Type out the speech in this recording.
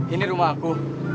ini rumah aku